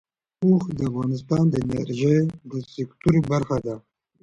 اوښ د افغانستان د انرژۍ د سکتور برخه ده.